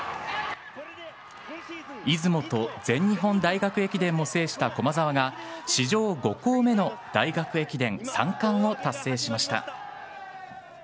出雲と全日本大学駅伝も制した駒澤が史上５校目の大学駅伝三冠を達成しました。